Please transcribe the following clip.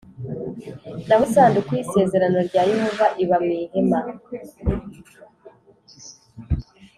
naho isanduku y isezerano rya Yehova iba mu ihema